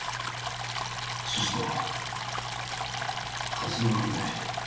寿司とカツ丼が食いたい。